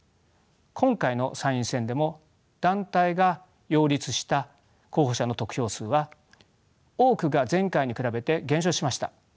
今回の参院選でも団体が擁立した候補者の得票数は多くが前回に比べて減少しました。